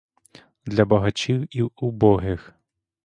Для багачів і убогих.